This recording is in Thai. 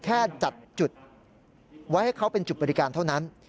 แค่จัดจุดไว้ให้เขาเป็นจุดบริการเท่านั้น